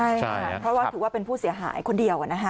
เพราะว่าถือว่าเป็นผู้เสียหายคนเดียว